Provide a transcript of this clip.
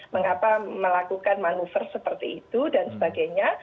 mengapa melakukan manuver seperti itu dan sebagainya